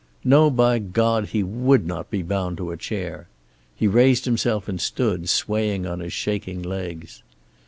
No, by God, he would not be bound to a chair. He raised himself and stood, swaying on his shaking legs.